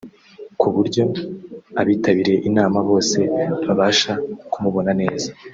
ku buryo abitabiriye inama bose babasha kumubona neza